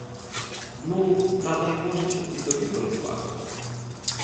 Ну, та дай боже, щоб і довіку не плакали.